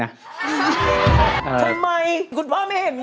ทำไมคุณพ่อไม่เห็นด้วย